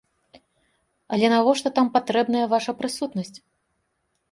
Але навошта там патрэбная ваша прысутнасць?